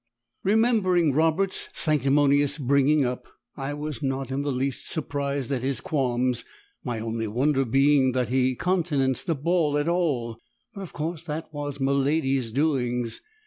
Remembering Robert's sanctimonious bringing up I was not in the least surprised at his qualms, my only wonder being that he countenanced a ball at all, but of course that was miladi's doings.